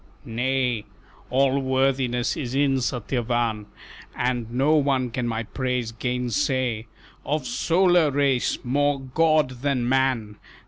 "Nay, All worthiness is in Satyavan, And no one can my praise gainsay: Of solar race more god than man!